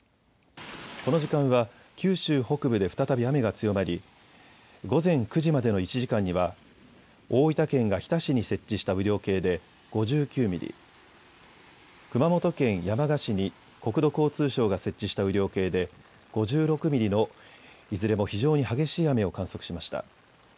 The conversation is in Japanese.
この時間は九州北部で再び雨が強まり、午前９時までの１時間には大分県が日田市に設置した雨量計で５９ミリ、熊本県山鹿市に国土交通省が設置した雨量計で５６ミリのいずれも非常に激しい雨を観測しました。